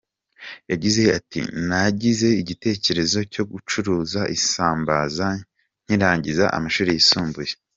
Yagize ati “Nagize igitekerezo cyo gucuruza isambaza nkirangiza amashuri yisumbuye.